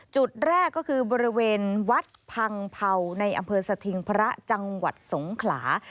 จุดแรกก็คือบริเวณวัดพังเผาในอำเภอสถิงพระจังหวัดสงขลา